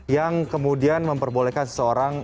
yang kemudian memperbolehkan seseorang